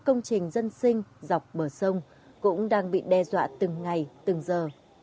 công trình dân sinh dọc bờ sông cũng đang bị đe dọa từng ngày từng giờ